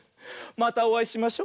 またおあいしましょ。